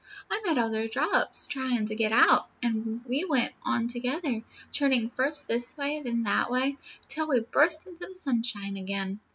I met other drops trying to get out, and we went on together, turning first this way, then that way, till we burst into the sunshine again."